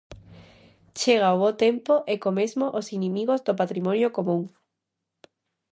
Chega o bo tempo e co mesmo os inimigos do patrimonio común.